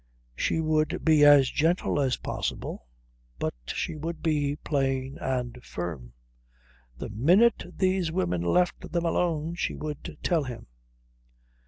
She would be as gentle as possible, but she would be plain and firm. The minute these women left them alone she would tell him.